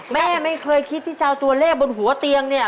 แม่ไม่เคยคิดที่จะเอาตัวเลขบนหัวเตียงเนี่ย